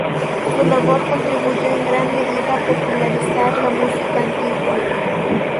Su labor contribuyó en gran medida a popularizar la música antigua.